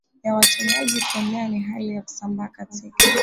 ya watumiaji Kuenea Ni hali ya kusambaa katika